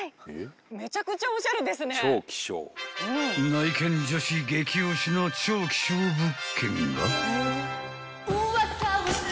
［内見女子激推しの超希少物件が］